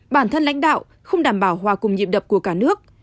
bản thân lãnh đạo không đảm bảo hòa cùng nhịp đập của cả nước